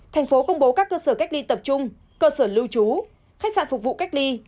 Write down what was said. thành phố công bố các cơ sở cách ly tập trung cơ sở lưu trú khách sạn phục vụ cách ly